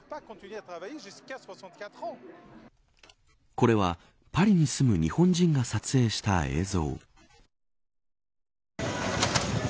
これはパリに住む日本人が撮影した映像。